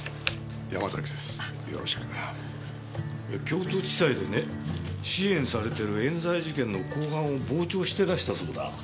京都地裁でね支援されてる冤罪事件の公判を傍聴してらしたそうだ。